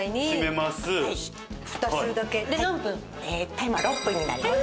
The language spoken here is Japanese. タイマー６分になります。